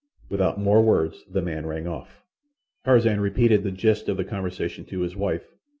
Without more words the man rang off. Tarzan repeated the gist of the conversation to his wife.